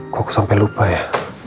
kok sampai lupa ya